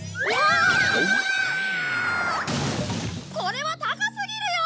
これは高すぎるよ！